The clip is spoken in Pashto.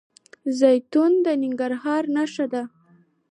زیتون د ننګرهار نښه ده.